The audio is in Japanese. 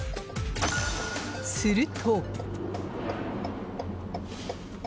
すると。